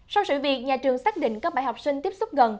sau sự việc nhà trường xác định các bài học sinh tiếp xúc gần